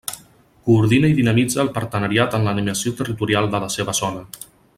Coordina i dinamitza el partenariat en l'animació territorial de la seva zona.